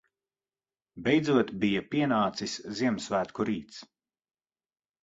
Beidzot bija pienācis Ziemassvētku rīts.